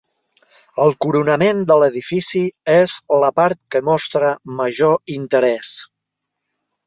El coronament de l'edifici és la part que mostra major interès.